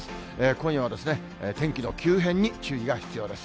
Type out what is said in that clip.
今夜は天気の急変に注意が必要です。